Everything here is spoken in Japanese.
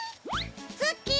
ツッキー！